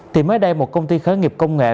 thì mới đây một công ty khởi nghiệp công nghệ